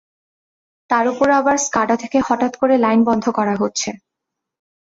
তার ওপর আবার স্কাডা থেকে হঠাৎ করে লাইন বন্ধ করা হচ্ছে।